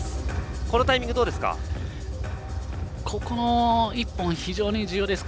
このタイミングどうですか？